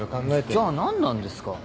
じゃあ何なんですか？